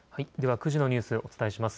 ９時のニュースをお伝えします。